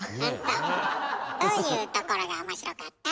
どういうところが面白かった？